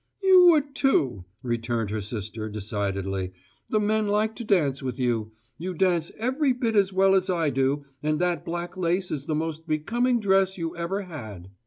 "You would, too," returned her sister, decidedly. "The men like to dance with you; you dance every bit as well as I do, and that black lace is the most becoming dress you ever had.